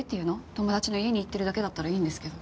友達の家に行ってるだけだったらいいんですけど。